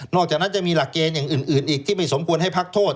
อกจากนั้นจะมีหลักเกณฑ์อย่างอื่นอีกที่ไม่สมควรให้พักโทษ